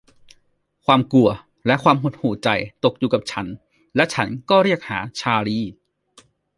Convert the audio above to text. ความกลัวและความหดหู่ใจตกอยู่กับฉันและฉันก็เรียกหาชาร์ลี